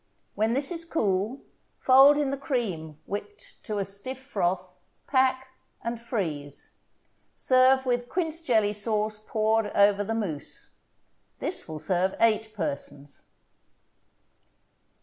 When this is cool, fold in the cream whipped to a stiff froth, pack and freeze. Serve with quince jelly sauce poured over the mousse. This will serve eight persons.